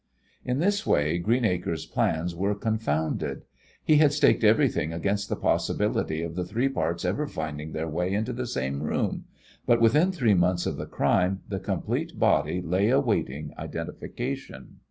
In this way Greenacre's plans were confounded. He had staked everything against the possibility of the three parts ever finding their way into the same room, but within three months of the crime the complete body lay awaiting identification.